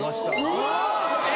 うわ！